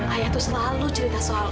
ayah tuh selalu cerita soal om